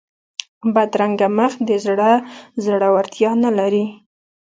بدرنګه مخ د زړه زړورتیا نه لري